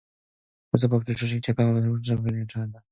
군사법원의 조직, 권한 및 재판관의 자격은 법률로 정한다.